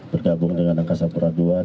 tergabung dengan angkasa peraduan